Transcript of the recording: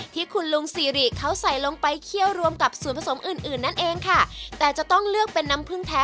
ที่คุณลุงซีริเขาใส่ลงไปเคี่ยวรวมกับส่วนผสมอื่นอื่นนั่นเองค่ะแต่จะต้องเลือกเป็นน้ำพึ่งแท้